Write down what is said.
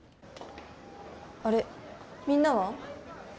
あれみんなは？